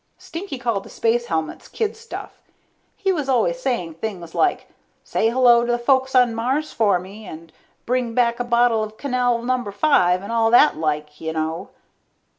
Stinky called the space helmets kid stuff. He was always saying things like say hello to the folks on Mars for me, and bring back a bottle of canal number five, and all like that, you know.